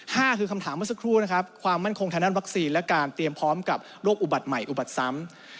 ห้าคือคำถามเมื่อสักครู่นะครับความมั่นคงทางด้านวัคซีนและการเตรียมพร้อมกับโรคอุบัติใหม่อุบัติซ้ำ